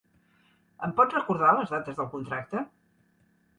Em pots recordar les dates del contracte?